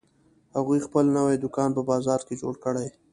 هغوی خپل نوی دوکان په بازار کې جوړ کړی